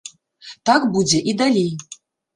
Так будзе і далей.